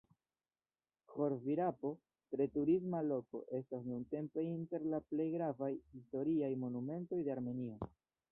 Ĥor-Virapo, tre turisma loko, estas nuntempe inter la plej gravaj historiaj monumentoj de Armenio.